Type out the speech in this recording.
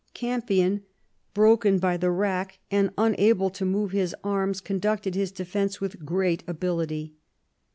Campion, broken by the rack, and unable to move his arms, conducted his defence with great ability.